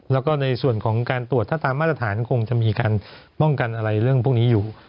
แล้วก็ในส่วนของการตรวจถ้าตามมาตรฐานคงจะมีการป้องกันอะไรเรื่องพวกนี้อยู่